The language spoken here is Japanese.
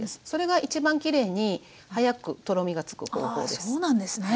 それが一番きれいに早くとろみがつく方法です。